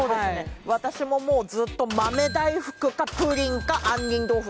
私ももうずっと豆大福かプリンか杏仁豆腐